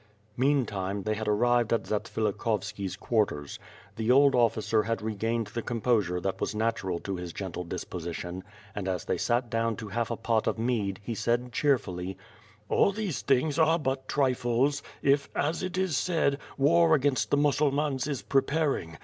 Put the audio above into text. Meantime, they had arrived at Zatsvilikhovski's quarters. The old officer had regained the composure that was natural to his gentle disposition, and as they sat down to half a pot of mead, he said cheerfully: "All these things are but trifles, if, as it is said, war against the Mussulmans is preparing.